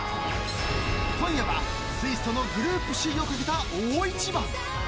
今夜はスイスとのグループ首位をかけた大一番。